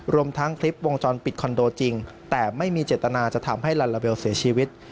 รวมทั้งคลิปวงจรปิดคอนโดจริงแต่ไม่มีเจตนาจะทำให้ลัลลาเบลเสียชีวิต